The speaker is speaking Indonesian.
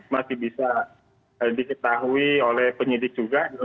masih bisa diketahui oleh penyidik juga